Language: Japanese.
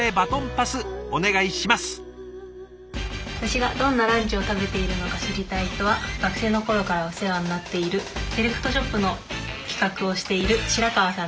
私がどんなランチを食べているのか知りたい人は学生の頃からお世話になっているセレクトショップの企画をしている白川さんです。